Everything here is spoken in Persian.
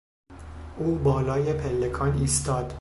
او بالای پلکان ایستاد.